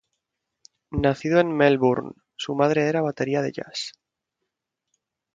Nacido en Melbourne, su madre era batería de jazz.